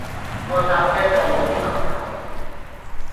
個煞車掣有啲問題